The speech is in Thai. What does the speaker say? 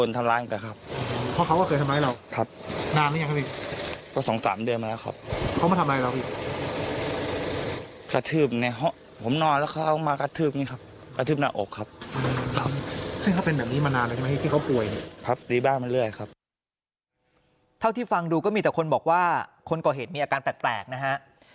เท่าที่ฟังดูก็มีแต่คนบอกว่าคนก่อเหตุมีอาการแปลกนะฮะ